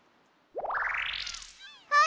はい。